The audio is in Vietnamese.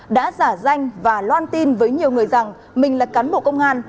đã giả danh và loan tin với nhiều người rằng mình là cán bộ công an